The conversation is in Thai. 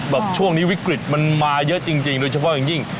ช่วงนี้วิกฤตมันมาเยอะจริงโดยเฉพาะอย่างยิ่ง